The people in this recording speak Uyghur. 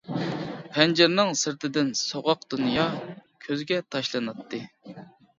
پەنجىرىنىڭ سىرتىدىن سوغۇق دۇنيا كۆزگە تاشلىناتتى.